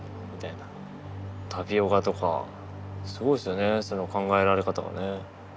タピオカとかすごいっすよねその考えられ方がね。